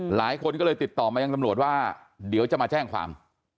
หลายคนก็เลยติดต่อมายังตำรวจว่าเดี๋ยวจะมาแจ้งความ